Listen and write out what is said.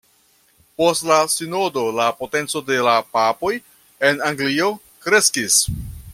Post la sinodo la potenco de la papoj en Anglio kreskis.